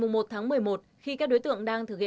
ngày một tháng một mươi một khi các đối tượng đang thử nghiệm